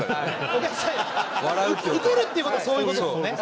ウケるっていう事はそういう事ですもんね。